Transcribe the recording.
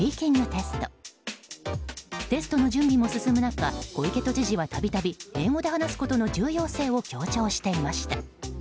テストの準備も進む中小池都知事は度々英語で話すことの重要性を強調していました。